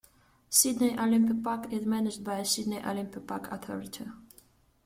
Sydney Olympic Park is managed by the Sydney Olympic Park Authority.